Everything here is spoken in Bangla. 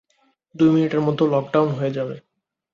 দুই মিনিটের মধ্যে লকডাউন হয়ে যাবে।